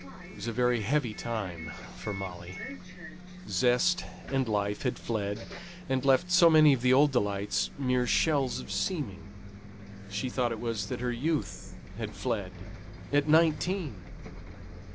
It was a very heavy time for Molly, zest and life had fled, and left so many of the old delights mere shells of seeming. She thought it was that her youth had fled; at nineteen!